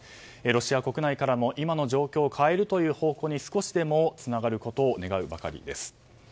ロシア国内からの動きも今の状況を変えるという方向に少しでもつながることを願うばかりです。